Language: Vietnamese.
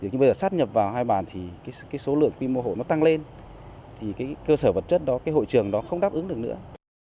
nhưng bây giờ sắp nhập vào hai bản thì số lượng quy mô hộ tăng lên cơ sở vật chất hội trường không đáp ứng được nữa